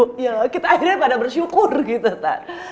kita akhirnya pada bersyukur gitu tante